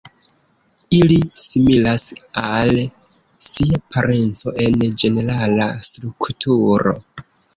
Ili similas al sia parenco en ĝenerala strukturo.